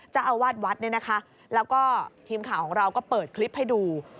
เจ้าอาวาสวัดเนี่ยนะคะแล้วก็ทีมข่าวของเราก็เปิดคลิปให้ดู